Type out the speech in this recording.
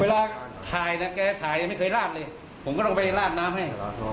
เวลาถ่ายนะแกถ่ายยังไม่เคยลาดเลยผมก็ต้องไปลาดน้ำให้